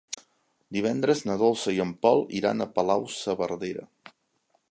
Divendres na Dolça i en Pol iran a Palau-saverdera.